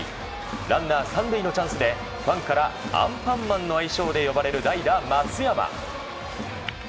ランナー３塁のチャンスでファンからアンパンマンの愛称で呼ばれる代打、松山。